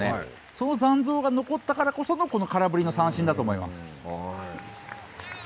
その残像が残ったからこその空振り三振だと思います。